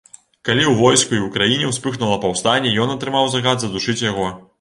Калі ў войску і ў краіне ўспыхнула паўстанне, ён атрымаў загад задушыць яго.